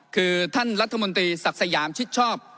คือท่านรัฐมนตรีศักดิ์สยามชิดชอบ